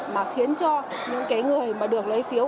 mà khiến cho những cái người mà được lấy phiếu